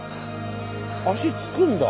足つくんだ。